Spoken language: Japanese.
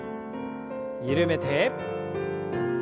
緩めて。